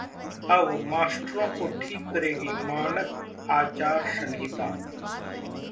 अब मास्टरों को ठीक करेगी मानक आचार संहिता